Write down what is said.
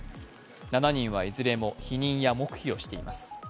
７人はいずれも否認や黙秘をしています。